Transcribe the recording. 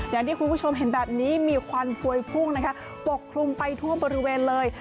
อย่างที่คุณผู้ชมเห็นแบบนี้มีควันพวยพุ่งนะคะปกคลุมไปทั่วบริเวณเลย